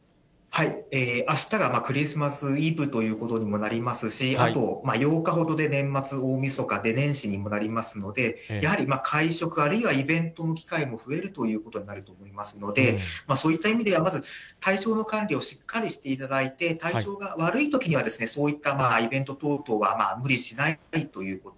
あしたがクリスマスイブということにもなりますし、あと８日ほどで年末、大みそかで、年始にもなりますので、やはり、会食あるいはイベントの機会も増えるということになると思いますので、そういった意味では、まず体調の管理をしっかりしていただいて、体調が悪いときにはそういったイベント等々は無理しないということ。